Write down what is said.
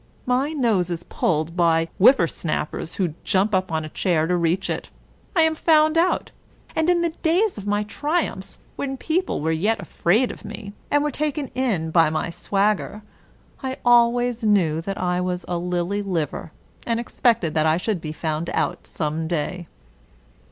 My nose is pulled by whipper snappers, who jump up on a chair to reach it. I am found out. And in the days of my triumphs, when people were yet afraid of me, and were taken in by my swagger, I always knew that I was a lily liver, and expected that I should be found out some day.